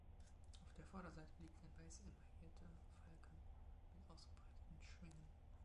Auf der Vorderseite liegt ein weiß emaillierter Falke mit ausgebreiteten Schwingen.